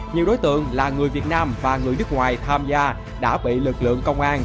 nhiều đối tượng là người việt nam và người nước ngoài tham gia đã bị lực lượng công an